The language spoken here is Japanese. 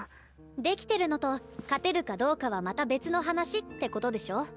できてるのと勝てるかどうかはまた別の話ってことでしょ。